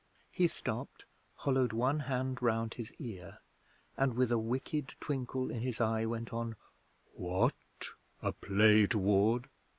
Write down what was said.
He stopped, hollowed one hand round his ear, and, with a wicked twinkle in his eye, went on: 'What, a play toward?